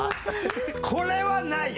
これはないよ！